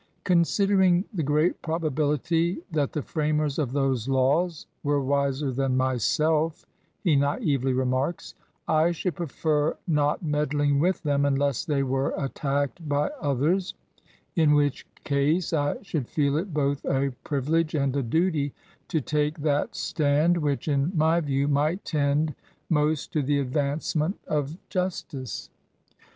"Considering the great probability that the framers of those laws were wiser than myself," he naively remarks, "I should prefer not med dling with them unless they were attacked by others; in which case I should feel it both a privi lege and a duty to take that stand which, in my view, might tend most to the advancement of justice."